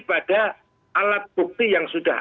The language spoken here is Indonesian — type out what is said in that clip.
pada alat bukti yang sudah